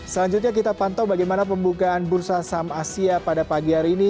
selanjutnya kita pantau bagaimana pembukaan bursa saham asia pada pagi hari ini